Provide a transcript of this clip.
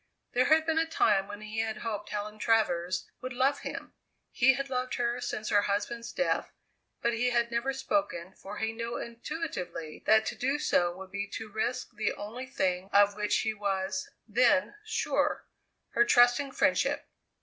There had been a time when he had hoped Helen Travers would love him; he had loved her since her husband's death, but he had never spoken, for he knew intuitively that to do so would be to risk the only thing of which he was, then, sure her trusting friendship.